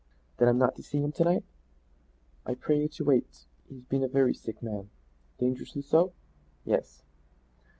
"Then I'm not to see him to night?" "I pray you to wait. He's he's been a very sick man." "Dangerously so?" "Yes."